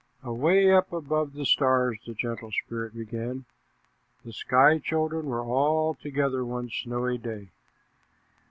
"Away up above the stars," the gentle spirit began, "the sky children were all together one snowy day.